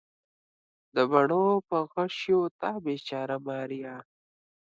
د بڼو په غشیو تا بیچاره ماریا